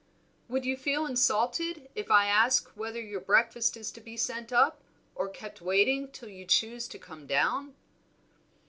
"Would you feel insulted if I ask whether your breakfast is to be sent up, or kept waiting till you choose to come down?"